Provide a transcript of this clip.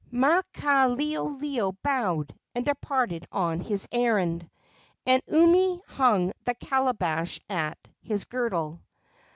Maukaleoleo bowed and departed on his errand, and Umi hung the calabash at his girdle.